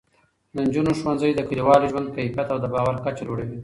د نجونو ښوونځی د کلیوالو ژوند کیفیت او د باور کچه لوړوي.